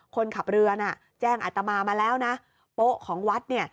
คนขับเรือน่ะแจ้งอัตมามาแล้วนะโป๊ะของวัดเนี่ย